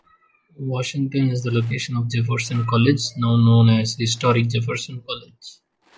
Washington is the location of Jefferson College, now known as Historic Jefferson College.